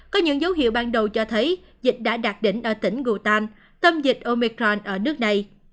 có những dấu hiệu ban đầu cho thấy dịch đã đạt đỉnh ở tỉnh gutan tâm dịch omicron ở nước này